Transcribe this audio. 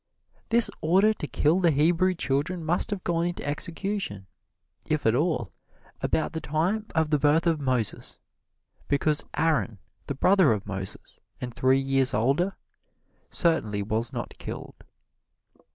This order to kill the Hebrew children must have gone into execution, if at all, about the time of the birth of Moses, because Aaron, the brother of Moses, and three years older, certainly was not killed.